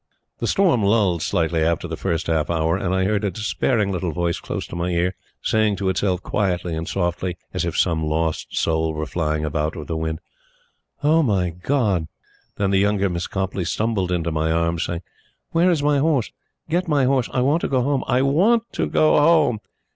The storm lulled slightly after the first half hour, and I heard a despairing little voice close to my ear, saying to itself, quietly and softly, as if some lost soul were flying about with the wind: "O my God!" Then the younger Miss Copleigh stumbled into my arms, saying: "Where is my horse? Get my horse. I want to go home. I WANT to go home.